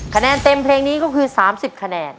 คะแนนเต็มเพลงนี้ก็คือ๓๐คะแนน